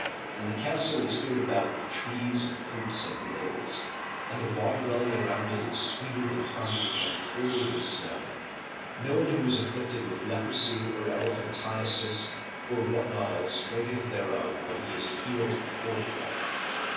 And the Castle is girt about with trees and fruits and rills, and the water running around it is sweeter than honey and colder than snow: none who is afflicted with leprosy or elephantiasis[FN#40] or what not else drinketh thereof but he is healed forthright.